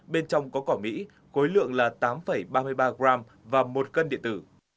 bên trong có cỏ mỹ khối lượng là tám ba mươi ba g và một cân điện tử